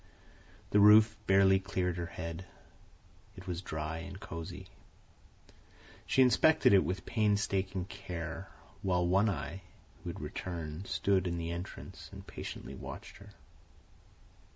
The roof barely cleared her head. It was dry and cosey. She inspected it with painstaking care, while One Eye, who had returned, stood in the entrance and patiently watched her.